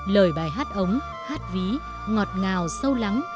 lời bài hát ống hát ví ngọt ngào sâu lắng